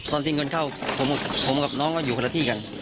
ตอนที่เงินเข้าผมกับน้องก็อยู่คนละที่กัน